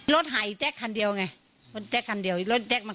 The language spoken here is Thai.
รถหายแต๊คันเดียวไงอีตัวแต๊คันเดียวรถแต๊คมัน